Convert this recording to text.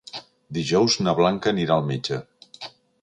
Dijous na Blanca anirà al metge.